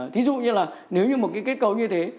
thí dụ như là nếu như một cái kết cấu như thế